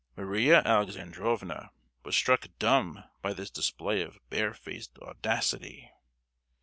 Maria Alexandrovna was struck dumb by this display of barefaced audacity.